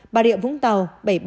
bà rịa vũng tàu bảy mươi ba